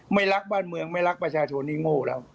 ไม่รักบ้านเมืองไม่รักประชาชนนี่โง่แล้ว